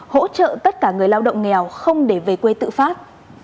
hỗ trợ tất cả người lao động nghèo không để về quê tự phát